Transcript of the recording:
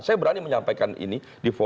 saya berani menyampaikan ini